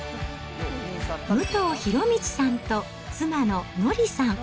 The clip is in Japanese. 武藤博道さんと妻の乃りさん。